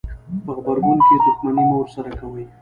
په غبرګون کې دښمني مه ورسره کوئ.